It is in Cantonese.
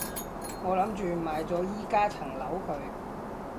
我諗住賣咗依加層樓佢